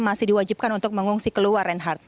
masih diwajibkan untuk mengungsi keluar reinhardt